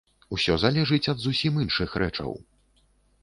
Усё залежыць ад зусім іншых рэчаў.